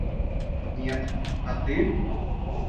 Нет, а ты?